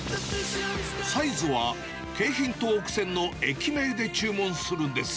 サイズは京浜東北線の駅名で注文するんです。